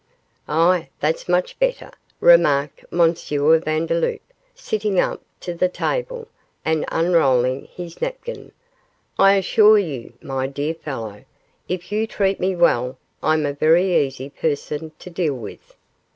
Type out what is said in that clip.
'Ah, that's much better,' remarked M. Vandeloup, sitting up to the table, and unrolling his napkin. 'I assure you, my dear fellow, if you treat me well, I'm a very easy person to deal with.